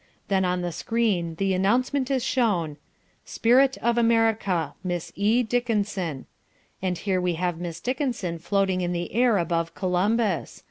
Then on the screen the announcement is shown: SPIRIT OF AMERICA... Miss E. Dickenson and here we have Miss Dickenson floating in the air above Columbus.